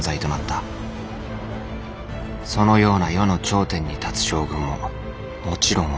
そのような世の頂点に立つ将軍ももちろん女。